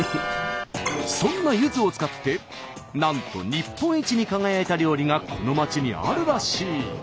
そんなゆずを使ってなんと日本一に輝いた料理がこの町にあるらしい。